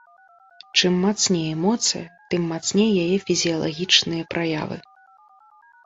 Чым мацней эмоцыя, тым мацней яе фізіялагічныя праявы.